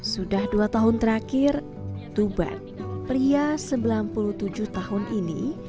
sudah dua tahun terakhir tuban pria sembilan puluh tujuh tahun ini